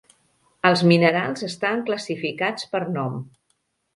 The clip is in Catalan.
Els minerals estan classificats per nom.